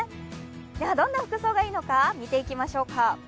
では、どんな服装がいいのか、見ていきましょうか。